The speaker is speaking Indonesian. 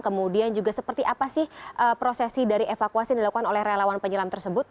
kemudian juga seperti apa sih prosesi dari evakuasi yang dilakukan oleh relawan penyelam tersebut